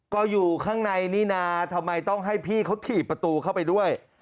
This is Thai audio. ก็อยู่ข้างในนี่นะทำไมต้องให้พี่เขาถีบประตูเข้าไปด้วย